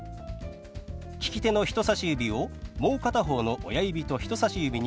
利き手の人さし指をもう片方の親指と人さし指に軽く当てます。